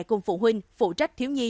cùng phụ huynh phụ trách thiếu nhi